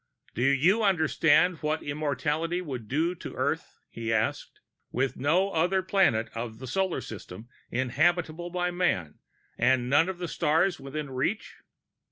"Do you understand what immortality would do to Earth?" he asked. "With no other planet of the solar system habitable by man, and none of the stars within reach?